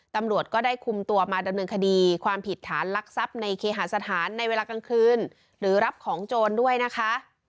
ตำรวจก็ได้คุมตัวมาดำเนินคดีความผิดฐานลักทรัพย์ในเคหาสถานในเวลากลางคืนหรือรับของโจรด้วยนะคะ